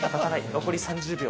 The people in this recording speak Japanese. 残り３０秒。